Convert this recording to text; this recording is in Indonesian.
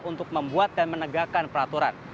untuk membuat dan menegakkan peraturan